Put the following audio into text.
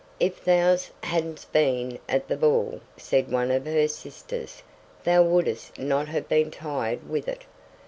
"If thou hadst been at the ball," said one of her sisters, "thou wouldst not have been tired with it.